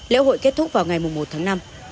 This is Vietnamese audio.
liễu hội kết thúc vào ngày một tháng năm